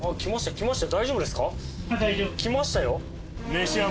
来ましたよ。